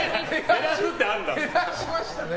減らすってあるんだ。